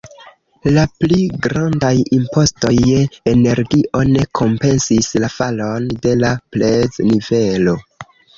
La pli grandaj impostoj je energio ne kompensis la falon de la preznivelo.